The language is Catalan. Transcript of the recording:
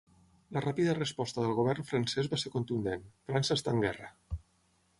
La ràpida resposta del govern francès va ser contundent: ‘França està en guerra’.